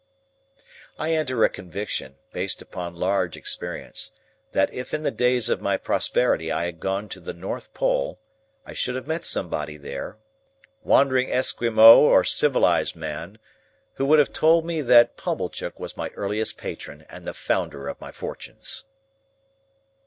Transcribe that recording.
I entertain a conviction, based upon large experience, that if in the days of my prosperity I had gone to the North Pole, I should have met somebody there, wandering Esquimaux or civilized man, who would have told me that Pumblechook was my earliest patron and the founder of my fortunes.